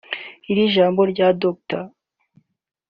Iri jambo rya Dr